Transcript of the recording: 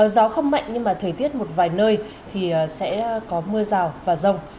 gió không mạnh nhưng mà thời tiết một vài nơi thì sẽ có mưa rào và rông